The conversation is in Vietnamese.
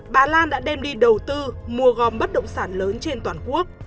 bà lan đã đem đi đầu tư mua gom bất động sản lớn trên toàn quốc